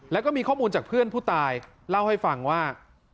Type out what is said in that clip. แล้วก็มีข้อมูลจากเพื่อนผู้ตายเล่าให้ฟังว่า